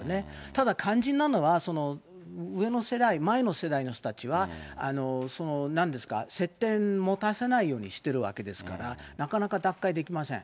ただ、肝心なのは、上の世代、前の世代の人たちは、なんですか、接点持たせないようにしてるわけですから、なかなか脱会できません。